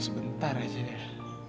sebentar aja deh